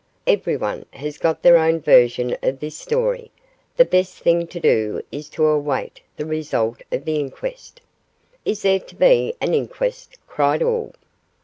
Everyone has got their own version of this story; the best thing to do is to await the result of the inquest.' 'Is there to be an inquest?' cried all.